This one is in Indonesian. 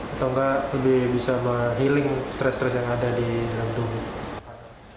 atau enggak lebih bisa menghealing stres stres yang ada di dalam tubuh